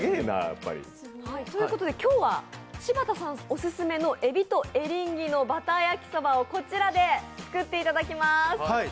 今日は柴田さんオススメのエビとエリンギのバター焼きそばをこちらで作っていただきます。